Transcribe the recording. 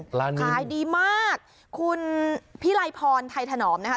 ปลานินขายดีมากคุณพี่ลายพรไทยถนอมนะครับ